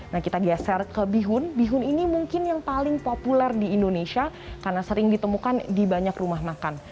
nah kita geser ke bihun bihun ini mungkin yang paling populer di indonesia karena sering ditemukan di banyak rumah makan